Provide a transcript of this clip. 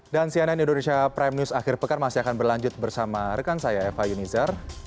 dan cnn indonesia prime news akhir pekan masih akan berlanjut bersama rekan saya eva yunizar